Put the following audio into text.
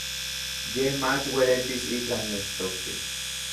Yej mach uelitis itlaj nechtoktis.